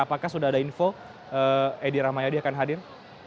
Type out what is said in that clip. apakah sudah ada info edi rahmayadi akan hadir